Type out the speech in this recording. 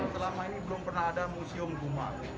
selama ini belum pernah ada museum guma